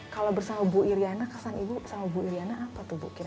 kalau bersama bu iryana kesan ibu sama bu iryana apa tuh bu